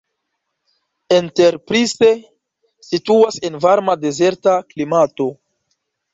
Enterprise situas en varma dezerta klimato.